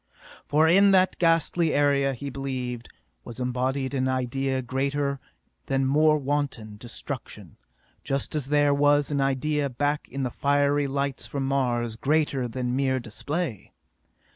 For in that ghastly area, he believed, was embodied an idea greater than mere wanton destruction, just as there was an idea back of the fiery lights from Mars greater than mere display.